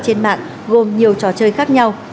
trên mạng gồm nhiều trò chơi khác nhau